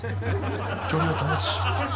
距離を保ち。